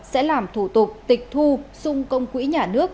sẽ làm thủ tục tịch thu xung công quỹ nhà nước